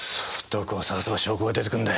どこを捜せば証拠が出てくんだ。